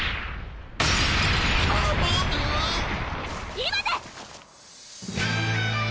今です！